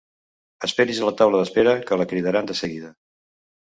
Esperi's a la taula d'espera, que la cridaran de seguida.